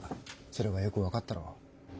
それがよく分かったろう。